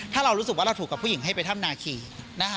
ถ้าเรารู้สึกว่าเราถูกกับผู้หญิงให้ไปถ้ำนาคีนะคะ